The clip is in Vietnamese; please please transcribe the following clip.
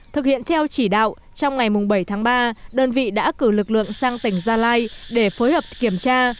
thực hiện theo chỉ đạo trong ngày bảy tháng ba đơn vị đã cử lực lượng sang tỉnh gia lai để phối hợp kiểm tra